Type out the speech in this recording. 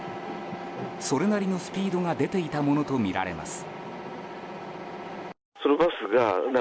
それなりのスピードが出ていたものとみられます。